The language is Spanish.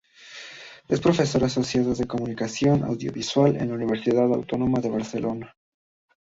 Es profesor asociado de Comunicación Audiovisual en la Universidad Autónoma de Barcelona.